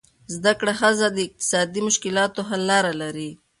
زده کړه ښځه د اقتصادي مشکلاتو حل لارې لري.